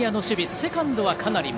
セカンドはかなり前。